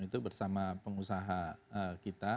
itu bersama pengusaha kita